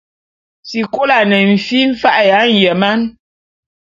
Sikolo ane fi mfa’a ya nyeman.